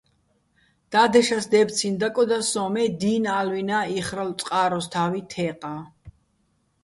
და́დეშას დეფცინო̆ დაკოდა სოჼ, მე დი́ნ ა́ლვინა́ იხრალო̆ წყაროსთა́ვი თე́ყაჼ.